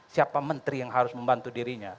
siapa menteri yang harus membantu dirinya